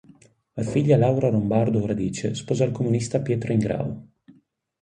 La figlia Laura Lombardo Radice sposò il comunista Pietro Ingrao.